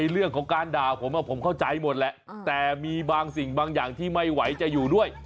เรื่องของการด่าผมผมเข้าใจหมดแหละแต่มีบางสิ่งบางอย่างที่ไม่ไหวจะอยู่ด้วย